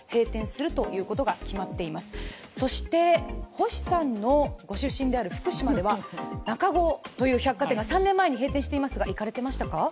星さんのご出身である福島では中合という百貨店が３年前に閉店されましたが行かれてましたか？